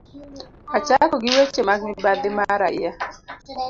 Achako gi weche mag mibadhi ma raia